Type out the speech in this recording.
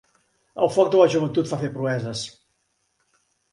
El foc de la joventut fa fer proeses.